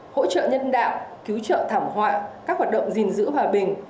hỗ trợ nhân đạo cứu trợ thảm họa các hoạt động gìn giữ hòa bình